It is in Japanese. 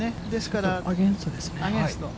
アゲンストですね。